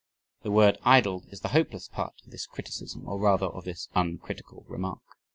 The word idled is the hopeless part of this criticism, or rather of this uncritical remark.